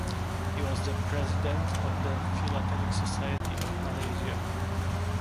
He was the president of the Philatelic Society of Malaysia.